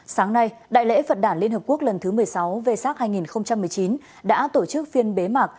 sáng nay đại lễ phật đảng liên hợp quốc lần thứ một mươi sáu về sát hai nghìn một mươi chín đã tổ chức phiên bế mạc